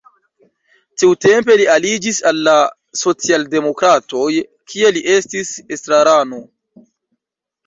Tiutempe li aliĝis al la socialdemokratoj, kie li estis estrarano.